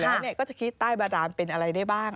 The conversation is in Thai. ต่างไปแล้วเนี่ยก็จะคิดใต้บาดานเป็นอะไรได้บ้าง